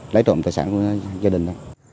lấy trộm tài sản của gia đình đó